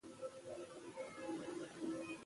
سمندر نه شتون د افغانستان د ځمکې د جوړښت نښه ده.